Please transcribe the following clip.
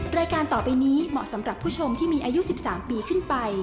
รายการต่อไปนี้เหมาะสำหรับผู้ชมที่มีอายุ๑๓ปีขึ้นไป